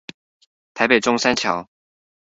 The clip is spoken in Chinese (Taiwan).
台北中山橋